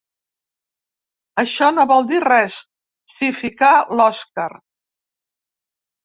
Això no vol dir res —s'hi ficà l'Oskar—.